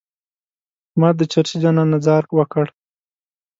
ما د چرسي جانان نه ځار وکړ.